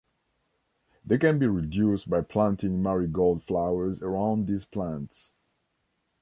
They can be reduced by planting marigold flowers around these plants.